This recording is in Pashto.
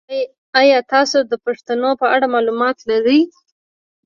ایا تاسو د پښتنو په اړه معلومات لرئ؟